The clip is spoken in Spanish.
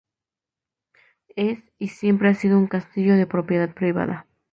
Es, y siempre ha sido, un castillo de propiedad privada.